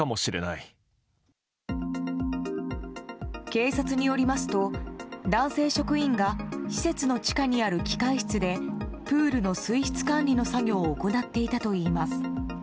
警察によりますと、男性職員が施設の地下にある機械室でプールの水質管理の作業を行っていたといいます。